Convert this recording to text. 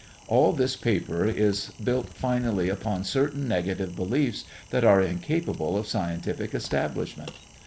All this paper is built finally upon certain negative beliefs that are incapable of scientific establishment.